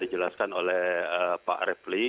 dijelaskan oleh pak refli